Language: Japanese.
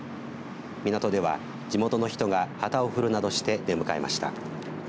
港では地元の人が旗を振るなどして出迎えました。